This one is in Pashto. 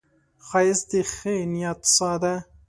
ښایست د ښې نیت ساه ده